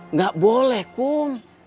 nggak boleh kum